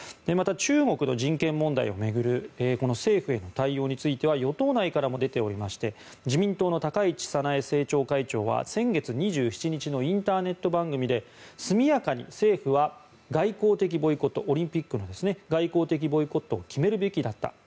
また中国の人権問題を巡る政府への対応については与党内からも出ておりまして自民党の高市早苗政調会長は先月２７日のインターネット番組で速やかに政府は外交的ボイコットオリンピックのですね外交的ボイコットを決めるべきだった。